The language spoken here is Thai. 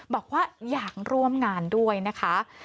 บอกว่าอยากร่วมงานด้วยนะคะ